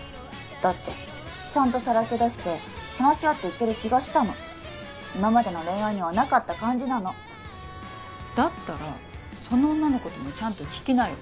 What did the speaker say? だってちゃんとさらけ出して話し合っていける気がしたの今までの恋愛にはなかった感じなのだったらその女のこともちゃんと聞きなよ